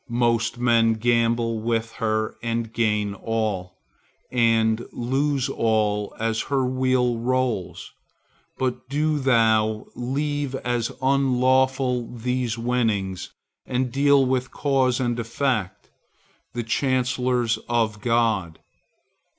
Most men gamble with her, and gain all, and lose all, as her wheel rolls. But do thou leave as unlawful these winnings, and deal with Cause and Effect, the chancellors of God.